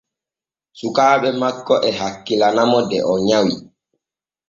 Sukaaɓe makko e hakkilana mo de o nyawi.